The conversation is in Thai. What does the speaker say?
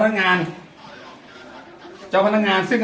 ตำรวจแห่งมือ